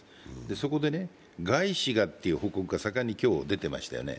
そこで外資がという報告が盛んに今日、出てましたよね。